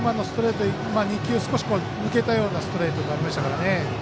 ２球抜けたようなストレートになりましたからね。